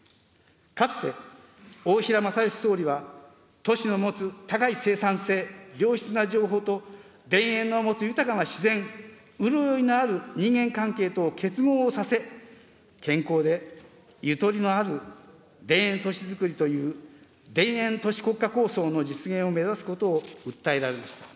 かつて大平正芳総理は、都市の持つ高い生産性、良質な情報と田園の持つ豊かな自然、潤いのある人間関係と結合させ、健康でゆとりのある田園都市づくりという、田園都市国家構想の実現を目指すことを訴えられました。